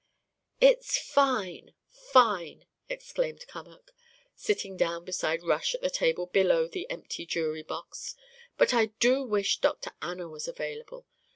"It's fine! fine!" exclaimed Cummack, sitting down beside Rush at the table below the empty jury box. "But I do wish Dr. Anna was available.